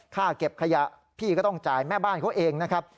เก็บขยะพี่ก็ต้องจ่ายแม่บ้านเขาเองนะครับ